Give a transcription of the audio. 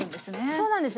そうなんです。